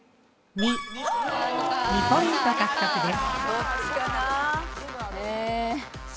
５ポイント獲得です。